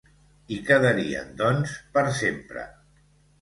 Hi quedarien doncs per sempre.